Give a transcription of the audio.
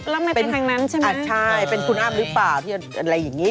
แล้วมันไปทางนั้นใช่ไหมครับอ่าใช่เป็นคุณอ้ำหรือเปล่าอะไรอย่างนี้